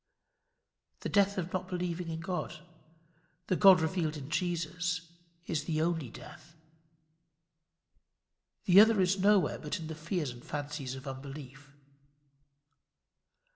The death of not believing in God the God revealed in Jesus is the only death. The other is nowhere but in the fears and fancies of unbelief.